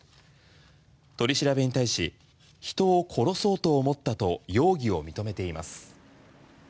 取り調べに対し人を殺そうと思ったと容疑を認めています。